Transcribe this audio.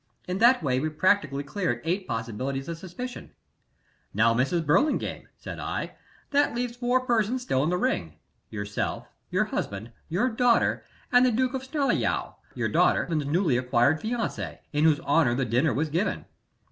In that way we practically cleared eight possibilities of suspicion. "'Now, Mrs. Burlingame,' said I, 'that leaves four persons still in the ring yourself, your husband, your daughter, and the Duke of Snarleyow, your daughter's newly acquired fiancé, in whose honor the dinner was given.